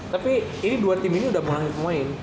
tapi ini dua tim ini udah mulai main